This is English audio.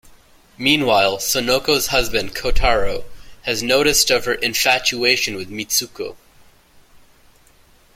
Meanwhile, Sonoko's husband Kotaro has taken notice of her infatuation with Mitsuko.